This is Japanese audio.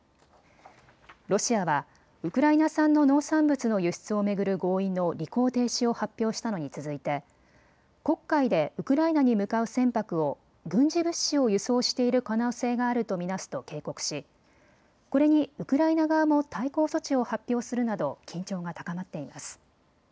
ロシアはウクライナ産の農産物の輸出を巡る合意の履行停止を発表したのに続いて黒海でウクライナに向かう船舶を軍事物資を輸送している可能性があると見なすと警告しこれにウクライナ側も対抗措置を発表するなど緊張が高まっています。